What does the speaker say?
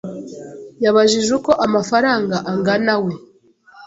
yabajije uko amafaranga anganawe.